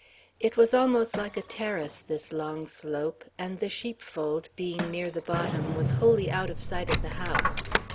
It was almost like a terrace, this long slope; and the sheepfold, being near the bottom, was wholly out of sight of the house.